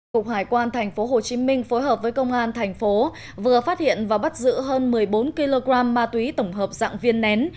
cục hải quan tp hcm phối hợp với công an thành phố vừa phát hiện và bắt giữ hơn một mươi bốn kg ma túy tổng hợp dạng viên nén